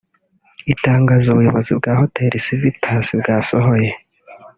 Itangazo ubuyobozi bwa Hotel Civitas bwasohoye